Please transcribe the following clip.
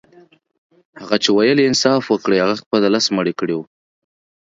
هغه چي ويل يې انصاف وکړئ هغه خپله لس مړي کړي وه.